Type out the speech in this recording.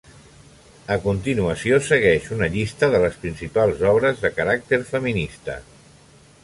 A continuació segueix una llista de les principals obres de caràcter feminista.